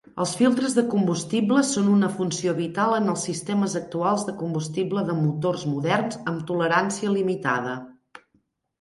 Els filtres de combustible són una funció vital en els sistemes actuals de combustible de motors moderns amb tolerància limitada.